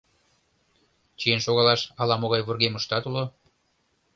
Чиен шогалаш ала-могай вургемыштат уло.